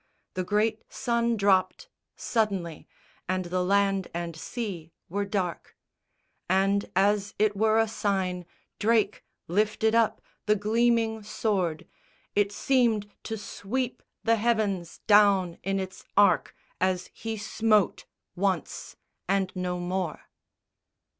The great sun dropped Suddenly, and the land and sea were dark; And as it were a sign, Drake lifted up The gleaming sword. It seemed to sweep the heavens Down in its arc as he smote, once, and no more.